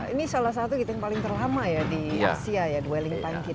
ini salah satu gitu yang paling terlama ya di asia ya dwelling time kita